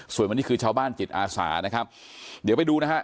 ส่วนวันนี้คือชาวบ้านจิตอาสานะครับเดี๋ยวไปดูนะฮะ